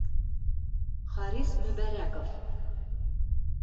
Харис МӨБӘРӘКОВ.